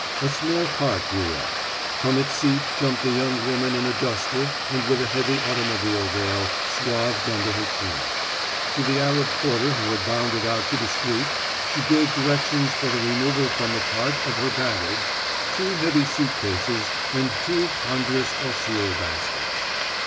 A small cart drew up; from its seat jumped a young woman in a duster and with a heavy automobile veil swathed under her chin. To the Arab porter who had bounded out to the street she gave directions for the removal from the cart of her baggage, two heavy suit cases and two ponderous osier baskets.